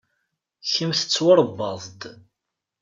Kemm tettwaṛebbaḍ-d.